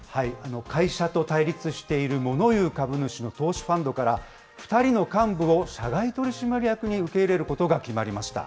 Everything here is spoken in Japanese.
会社と対立している、モノ言う株主の投資ファンドから、２人の幹部を社外取締役に受け入れることが決まりました。